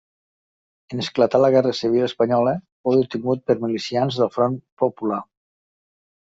En esclatar la Guerra Civil espanyola fou detingut per milicians del Front Popular.